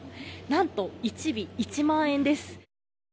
何と１尾１万円です。